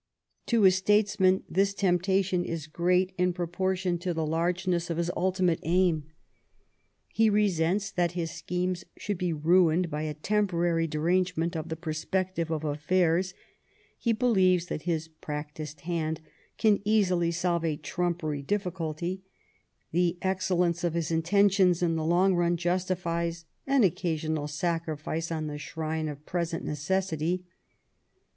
To a statesman this temptation is great in proportion to the largeness of his ultimate aim. He resents that his schemes should be ruined by a temporary derangement of the perspective of affairs ; he believes that his practised hand can easily solve a trumpery difficulty ; the excellence of his intentions in the long run justifies an occasional sacrifice on the shrine of present necessity.